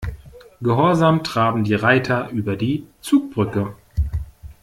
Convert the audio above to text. Gehorsam traben die Reiter über die Zugbrücke.